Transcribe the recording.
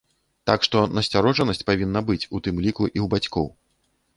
Так што насцярожанасць павінна быць у тым ліку і ў бацькоў.